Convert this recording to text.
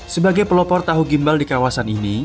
sebagai pelopor tahu gimbal di kawasan ini